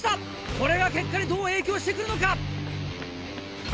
これが結果にどう影響してくるのか？